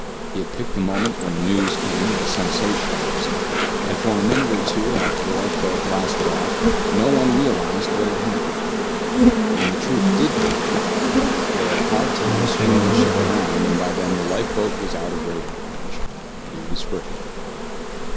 He had picked the moment when news came of a sensational upset, and for a minute or two after the lifeboat blasted off, no one realized what had happened. When the truth did penetrate, they had a hard time swinging the ship around, and by then the lifeboat was out of radar range. He was free.